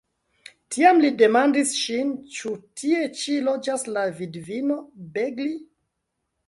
Tiam li demandis ŝin: "Ĉu tie ĉi loĝas la vidvino Begli?"